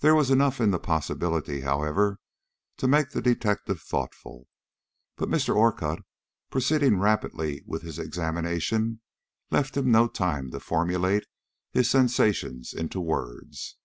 There was enough in the possibility, however, to make the detective thoughtful; but Mr. Orcutt proceeding rapidly with his examination, left him no time to formulate his sensations into words.